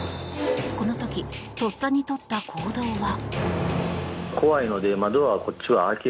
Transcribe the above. この時、とっさに取った行動は。